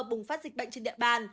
bùng phát dịch bệnh trên địa bàn